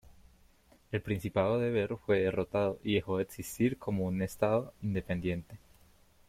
El Principado de Tver fue derrotado, y dejó de existir como un estado independiente.